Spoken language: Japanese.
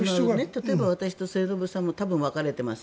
例えば、私と全ても多分、分かれてます。